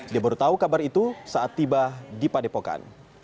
dia baru tahu kabar itu saat tiba di padepokan